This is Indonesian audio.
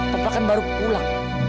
papa kan baru pulang